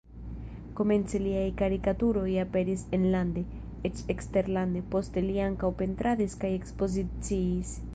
Komence liaj karikaturoj aperis enlande, eĉ eksterlande, poste li ankaŭ pentradis kaj ekspoziciis.